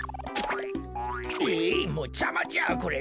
えいもうじゃまじゃこれ。